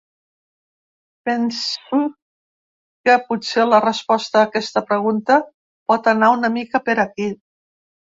Penso que potser la resposta a aquesta pregunta pot anar una mica per aquí.